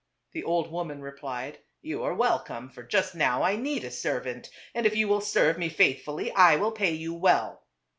The old woman replied, " You are welcome, for just now I need a servant, and if you will serve me faithfully I will pay you well."